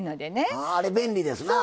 あああれ便利ですなあ。